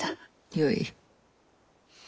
よい。